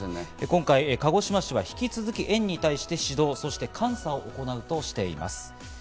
今回、鹿児島市は引き続き、園に対し指導や監査を行うとしています。